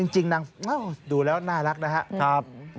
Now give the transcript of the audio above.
จริงนางดูแล้วน่ารักนะครับ